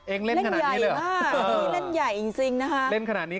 เองเล่นขนาดนี้หรืออ่าอันนี้เล่นใหญ่จริงนะฮะเล่นขนาดนี้